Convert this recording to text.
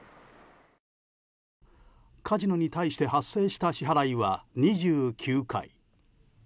カジノに対して発生した支払いは２９回。